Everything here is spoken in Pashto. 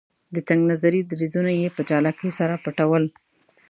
د تنګ نظري دریځونه یې په چالاکۍ سره پټول.